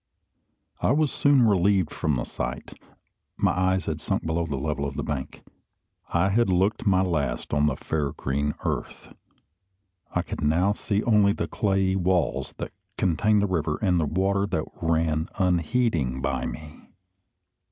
I was soon relieved from the sight. My eyes had sunk below the level of the bank. I had looked my last on the fair green earth. I could now see only the clayey walls that contained the river, and the water that ran unheeding by me.